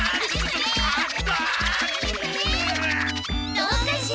どうかしら？